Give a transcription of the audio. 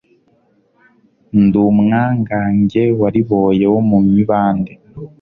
ndi umwangange wariboye wo mu mibande